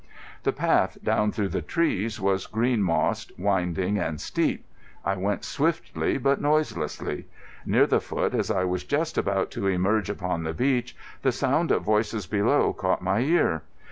The path down through the trees was green mossed, winding, and steep. I went swiftly but noiselessly. Near the foot, as I was just about to emerge upon the beach, the sound of voices below caught my ear.